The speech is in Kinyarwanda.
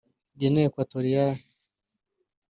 Guinea Equatorial